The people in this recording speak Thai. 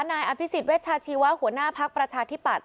นายอภิษฎเวชาชีวะหัวหน้าภักดิ์ประชาธิปัตย